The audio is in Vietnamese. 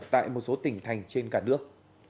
tại một số tỉnh thành trên cả nước